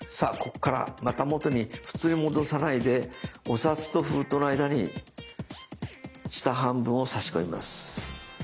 ここからまた元に普通に戻さないでお札と封筒の間に下半分を差し込みます。